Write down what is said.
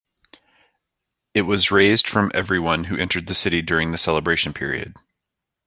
It was raised from everyone who entered the city during the celebration period.